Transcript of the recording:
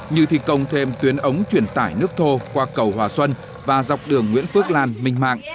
như thi công thêm tuyến ống truyền tải nước thô qua cầu hòa xuân và dọc đường nguyễn phước lan minh mạng